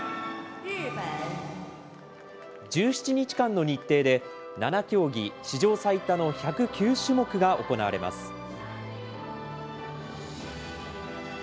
１７日間の日程で７競技、史上最多の１０９種目が行われます。